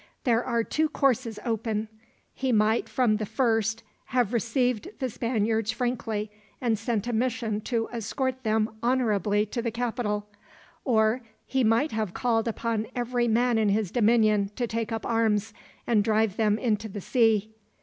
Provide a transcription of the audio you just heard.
There were two courses open: he might from the first have received the Spaniards frankly, and sent a mission to escort them honorably to the capital; or he might have called upon every man in his dominion to take up arms, and drive them into the sea.